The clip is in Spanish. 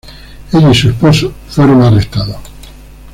Ella y su esposo fueron arrestados.